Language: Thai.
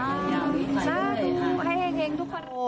น่าดูให้ให้เงินทุกคน